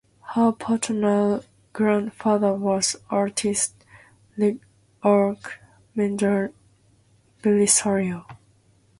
Her paternal grandfather was artist Isaac Mendes Belisario.